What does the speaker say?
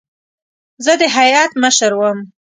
زه د هیات مشر وم.